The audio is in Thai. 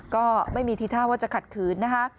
ก็ไม่มีทีท่าว่าจะขัดขืนนะคะ